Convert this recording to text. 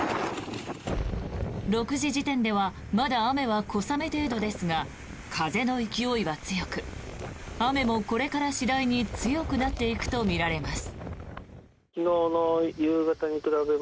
６時時点ではまだ雨は小雨程度ですが風の勢いは強く雨も、これから次第に強くなっていくとみられます。